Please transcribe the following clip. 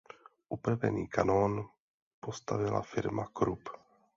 Upravený kanón postavila firma Krupp.